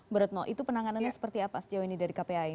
berutno itu penanganannya seperti apa sejauh ini dari kpai